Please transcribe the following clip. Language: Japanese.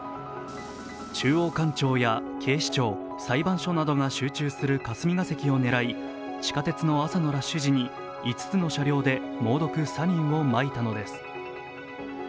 中央官庁や警視庁、裁判所などが集中する霞ケ関を狙い、地下鉄の朝のラッシュ時に５つの車両で猛毒・サリンをまいたのです。